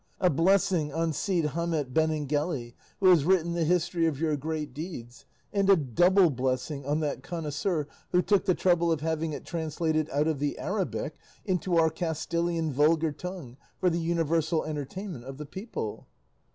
A blessing on Cide Hamete Benengeli, who has written the history of your great deeds, and a double blessing on that connoisseur who took the trouble of having it translated out of the Arabic into our Castilian vulgar tongue for the universal entertainment of the people!"